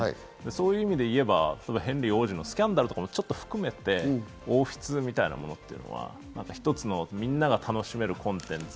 そういう意味で言えば、ヘンリー王子のスキャンダルとかも含めて、王室みたいなものというのは、一つのみんなが楽しめるコンテンツ。